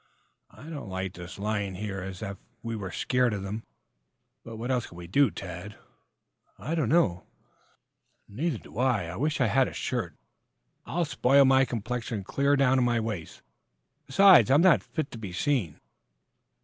"I don't like this lying here as if we were scared of them." "But, what else can we do, Tad?" "I don't know." "Neither do I. Wish I had a shirt. I'll spoil my complexion clear down to my waist. Resides, I'm not fit to be seen."